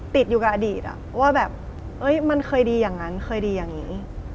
ติดอยู่กับอดีตว่าแบบมันเคยดีอย่างนั้นเคยดีอย่างนี้